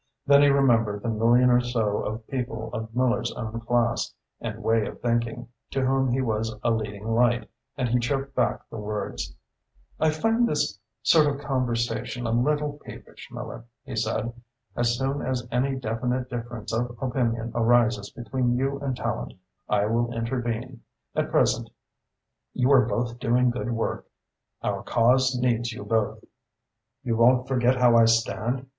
Then he remembered the million or so of people of Miller's own class and way of thinking, to whom he was a leading light, and he choked back the words. "I find this sort of conversation a little peevish, Miller," he said. "As soon as any definite difference of opinion arises between you and Tallente, I will intervene. At present you are both doing good work. Our cause needs you both." "You won't forget how I stand?"